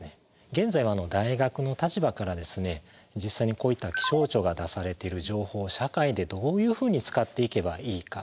現在は大学の立場から実際にこういった気象庁が出されている情報を社会でどういうふうに使っていけばいいか。